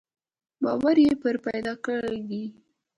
باور يې پرې پيدا کېږي.